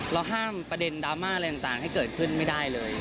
ห้ามประเด็นดราม่าอะไรต่างให้เกิดขึ้นไม่ได้เลย